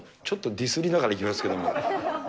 ちょっとディスりながらいきますけど。